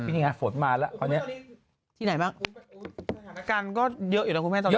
สถานการณ์ก็เยอะอยู่หรอคุณแม่ตอนนี้